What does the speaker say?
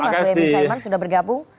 mas b ebin saiman sudah bergabung